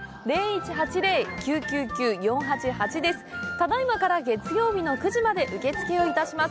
ただいまから月曜日の９時まで受付をいたします。